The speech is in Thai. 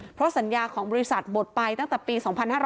เพราะสัญญาของบริษัทบดไปตั้งแต่ปี๒๕๕๙